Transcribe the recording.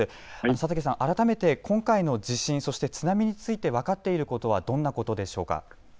佐竹さん、改めて今回の地震そして津波について分かっていることはどんなことでしょうか。